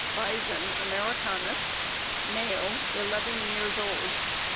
++| BISON AMERICANUS. || (Male, eleven years old.